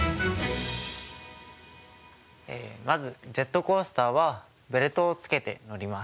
まずジェットコースターはベルトをつけて乗ります。